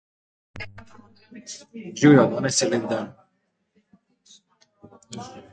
Za kaj gre?